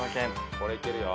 これいけるよ。